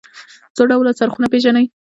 څو ډوله څرخونه پيژنئ.